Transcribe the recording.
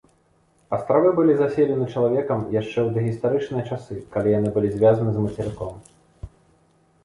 Астравы былі заселены чалавекам яшчэ ў дагістарычныя часы, калі яны былі звязаны з мацерыком.